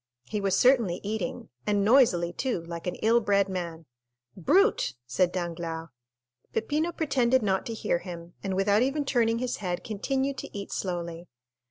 He was certainly eating, and noisily too, like an ill bred man. "Brute!" said Danglars. Peppino pretended not to hear him, and without even turning his head continued to eat slowly.